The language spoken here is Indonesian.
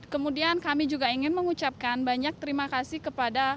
kemudian kami juga ingin mengucapkan banyak terima kasih kepada